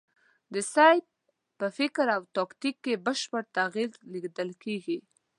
د سید په فکر او تاکتیک کې بشپړ تغییر لیدل کېږي.